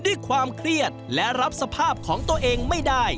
ด้วยความเครียดและรับสภาพของตัวเองไม่ได้